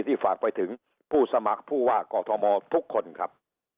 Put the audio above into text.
ฝากไปถึงผู้สมัครผู้ว่ากอทมทุกคนครับ